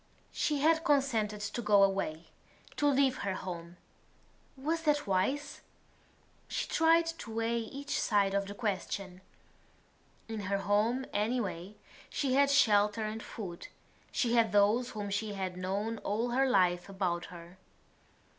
She had consented to go away, to leave her home. Was that wise? She tried to weigh each side of the question. In her home anyway she had shelter and food; she had those whom she had known all her life about her.